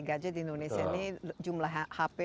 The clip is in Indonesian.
gadget di indonesia ini jumlah hp